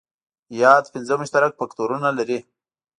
یاد پنځه مشترک فکټورونه لري.